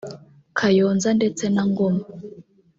Kayonza ndetse na Ngoma